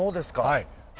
はい。